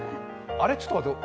あれ、ちょっと待ってよ